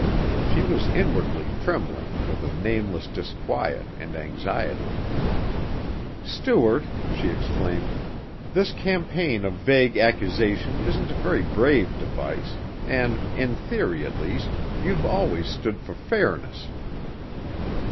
She was inwardly trembling, with a nameless disquiet and anxiety. "Stuart," she exclaimed, "this campaign of vague accusation isn't a very brave device and, in theory at least, you've always stood for fairness."